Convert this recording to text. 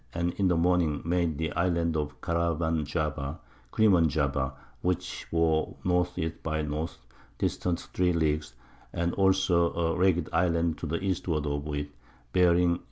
and in the Morning made the Islands of Caraman Java [Crimon Java], which bore N. E. by N. distant 3 Leagues, as also a ragged Island to the Eastward of it, bearing E.